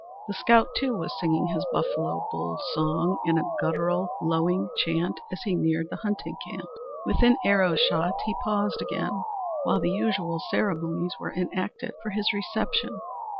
The scout, too, was singing his buffalo bull song in a guttural, lowing chant as he neared the hunting camp. Within arrow shot he paused again, while the usual ceremonies were enacted for his reception.